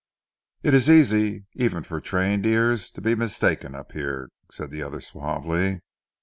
"It is easy even for trained ears to be mistaken up here," said the other suavely.